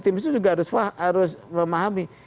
tim sus juga harus memahami